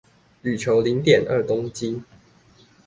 鋁球零點二公斤